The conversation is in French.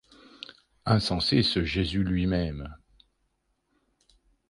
Insensé ce Jésus lui-même